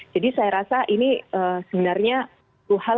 jadi saya rasa ini sebenarnya